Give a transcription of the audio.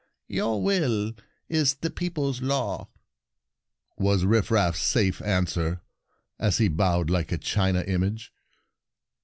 "Your will is the people's law," was Rifraf 's safe answer, as he bowed like a china image.